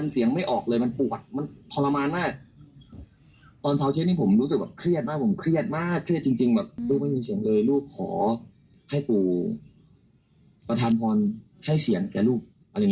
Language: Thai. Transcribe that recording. เสียงไม่ได้อะไรโล่มาก